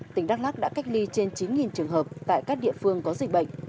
tỉnh đắk lắc đã cách ly trên chín trường hợp tại các địa phương có dịch bệnh